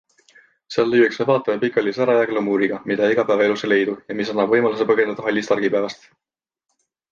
Seal lüüakse vaataja pikali sära ja glamuuriga, mida igapäevaelus ei leidu ja mis annab võimaluse põgeneda hallist argipäevast.